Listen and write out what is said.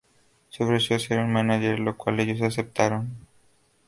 Se ofreció a ser su mánager, lo cual ellos aceptaron.